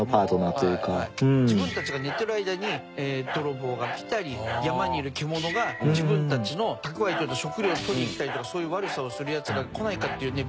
自分たちが寝てる間に泥棒が来たり山にいる獣が自分たちの蓄えてる食料を取りに来たりとかそういう悪さをするヤツが来ないかっていうね